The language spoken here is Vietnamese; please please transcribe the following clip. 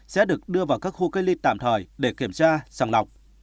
sẽ được đưa vào các khu cây ly tạm thời để kiểm tra chẳng lọc